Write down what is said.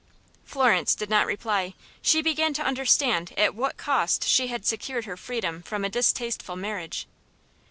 Florence did not reply. She began to understand at what cost she had secured her freedom from a distasteful marriage.